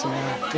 senang ya pak ya